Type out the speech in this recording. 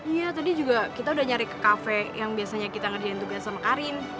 iya tadi juga kita udah nyari ke kafe yang biasanya kita ngerjain tugas sama karin